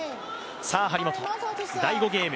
さあ張本、第５ゲーム